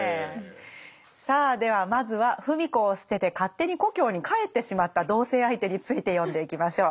さあではまずは芙美子を捨てて勝手に故郷に帰ってしまった同棲相手について読んでいきましょう。